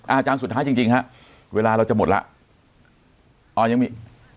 อาจารย์สุดท้ายจริงจริงฮะเวลาเราจะหมดแล้วอ๋อยังมี